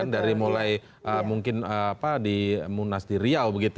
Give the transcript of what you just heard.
dari mulai mungkin di munas di riau